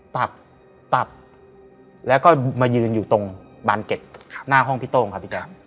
ตับตับแล้วก็มายืนอยู่ตรงบานเก็ตหน้าห้องพี่โต้งครับพี่แจ๊ค